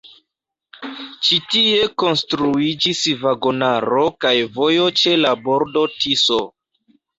Ĉi tie konstruiĝis vagonaro kaj vojo ĉe la bordo Tiso.